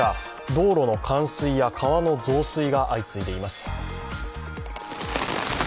道路の冠水や川の増水が相次いでいます。